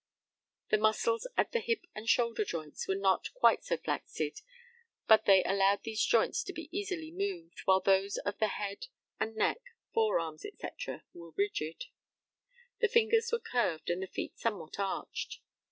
The muscles at the hip and shoulder joints were not quite so flaccid, but they allowed these joints to be easily moved, while those of the head and neck, fore arms, &c. were rigid. The fingers were curved, and the feet somewhat arched.